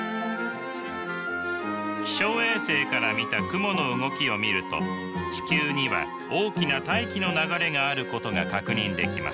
気象衛星から見た雲の動きを見ると地球には大きな大気の流れがあることが確認できます。